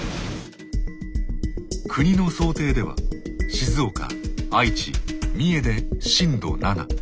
国の想定では静岡愛知三重で震度７。